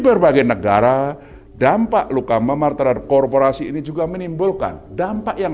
berbagai negara dampak luka memar terhadap korporasi ini juga menimbulkan dampak yang